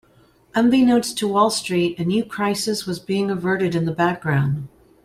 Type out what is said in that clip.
Unbeknownst to Wall Street, a new crisis was being averted in the background.